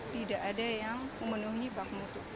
tidak ada yang memenuhi bak mutu